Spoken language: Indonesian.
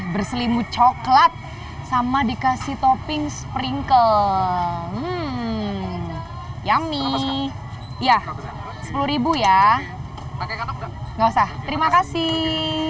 berselimut coklat sama dikasih topping sprinkle yummy ya rp sepuluh ya enggak usah terima kasih